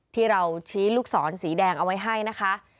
ที่เราชี้ลูกศรสีแดงเอาไว้ให้นะคะ